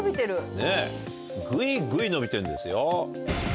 ねっぐいぐい伸びてるんですよ。